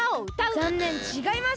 ざんねんちがいます！